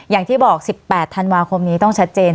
อย่างที่บอก๑๘ธันวาคมนี้ต้องชัดเจน